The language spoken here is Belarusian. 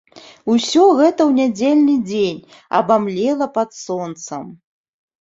Усё гэта ў нядзельны дзень абамлела пад сонцам.